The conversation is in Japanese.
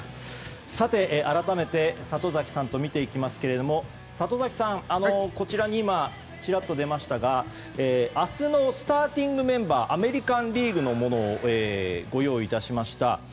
さて、改めて里崎さんと見ていきますが里崎さん、こちらにちらっと出ましたが明日のスターティングメンバーアメリカン・リーグのものをご用意致しました。